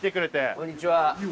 こんにちは。